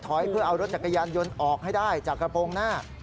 เพื่อเอารถจักรยานยนต์ออกให้ได้จากกระโปรงหน้า